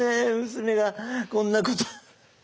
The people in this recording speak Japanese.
娘がこんなこと。